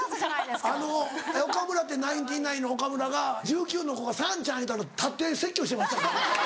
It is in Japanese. あの岡村ってナインティナインの岡村が１９の子が「さんちゃん」言うたら立って説教してましたからね。